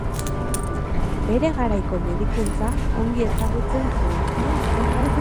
Bere garaiko medikuntza ongi ezagutzen zuen.